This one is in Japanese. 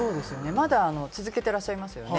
まだ続けてらっしゃいますよね。